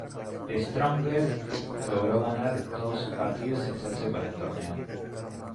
The Strongest logró ganar todos sus partidos y hacerse con el Torneo.